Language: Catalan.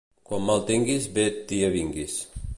Quan mal tinguis bé t'hi avinguis.